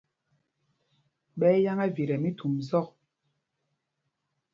Ɓɛ́ ɛ́ yâŋ ɛvit ɛ mí Thumzɔ̂k.